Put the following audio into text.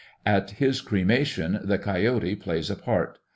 At his cremation the Coyote plays a part.